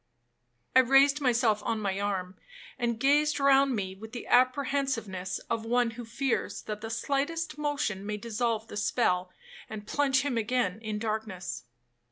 I raised myself on my arm, and gazed round me with the apprehensiveness of one who fears that the slightest motion may dissolve the spell, and plunge him again in darkness.